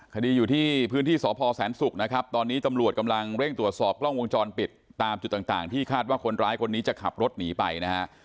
คดีอยู่ที่พื้นที่สพแสนศุกร์นะครับตอนนี้ตำรวจกำลังเร่งตรวจสอบกล้องวงจรปิดตามจุดต่างที่คาดว่าคนร้ายคนนี้จะขับรถหนีไปนะฮะ